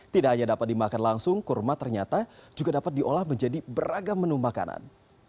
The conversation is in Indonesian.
tidak hanya dapat dimakan langsung kurma ternyata juga dapat diolah menjadi beragam menu makanan